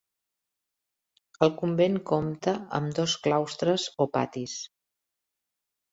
El convent compta amb dos claustres o patis.